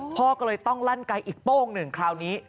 พ่อก็เลยต้องลั่นไกลอีกโป้งหนึ่งคราวนี้